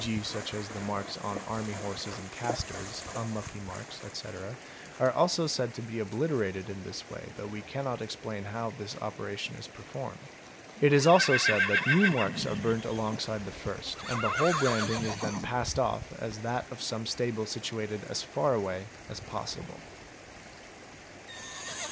g., such as the marks on army horses and casters, unlucky I marks, etc., are also said to be obliterated in this way though we cannot _ explain how this operation is performed. It is also said that new marks _ are burnt alongside the first and the whole branding is then passed off as that of some stable situated as far away as possible.